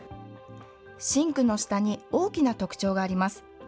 シンクの下に大きな特徴があります。